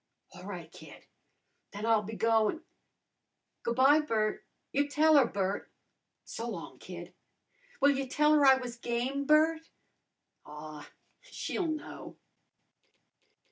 "A' right, kid. Then I'll be goin' " "Goo' by, Bert. You tell her, Bert." "So long, kid." "Will ya tell her I was game, Bert?" "Aw, she'll know!"